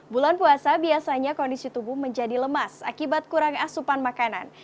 bulan puasa biasanya kondisi tubuh menjadi lemas akibat kurang asupan makanan